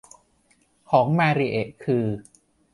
ของมาริเอะคือ